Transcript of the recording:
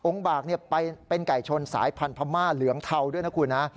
บากเป็นไก่ชนสายพันธม่าเหลืองเทาด้วยนะคุณนะ